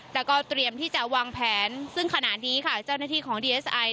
แต่ก็เตรียมที่จะวางแผนซึ่งขณะนี้ค่ะเจ้าหน้าที่ของดีเอสไอ